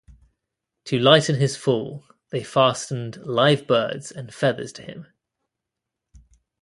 To lighten his fall, they fastened live birds and feathers to him.